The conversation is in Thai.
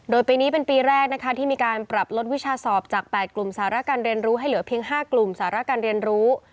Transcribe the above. โดยปีนี้เป็นปีแรกนะคะที่มีการปรับลดวิชาสอบจาก๘กลุ่มสารการเรียนรู้ให้เหลือเพียง๕กลุ่มสาระการเรียนรู้